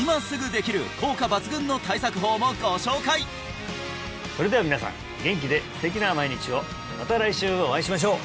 はいご紹介それでは皆さん元気で素敵な毎日をまた来週お会いしましょう！